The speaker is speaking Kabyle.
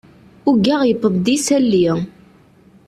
Uggaɣ yewweḍ-d yisalli.